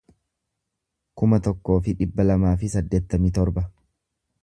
kuma tokkoo fi dhibba lamaa fi saddeettamii tokko